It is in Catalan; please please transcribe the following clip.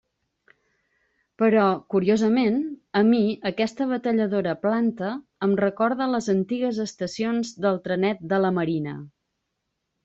Però, curiosament, a mi aquesta batalladora planta em recorda les antigues estacions del Trenet de la Marina.